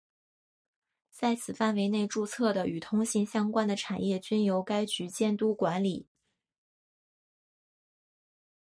在此范围内注册的与通信相关的产业均由该局监督管理。